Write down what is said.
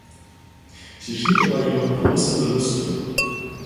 Sie schrieb dabei jedoch große Verluste.